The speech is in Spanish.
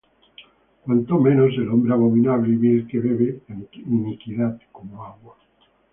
¿Cuánto menos el hombre abominable y vil, Que bebe la iniquidad como agua?